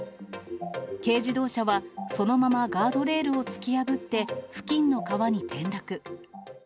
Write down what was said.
軽自動車はそのままガードレールを突き破って、付近の川に転落。